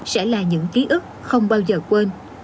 sẽ là những ký ức không bao giờ quên